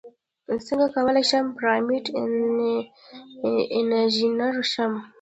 څنګه کولی شم پرامپټ انژینر شم